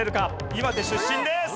岩手出身です。